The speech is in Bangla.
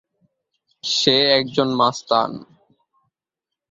সে একজন মাস্তান।